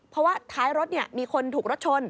เพราะว่าท้ายรถมีคนถูกรถชน